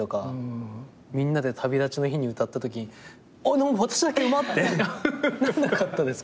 みんなで『旅立ちの日に』歌ったときに「何か私だけうまっ！」ってなんなかったですか？